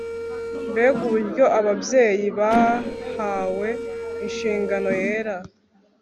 Mbega uburyo ababyeyi bahawe inshingano yera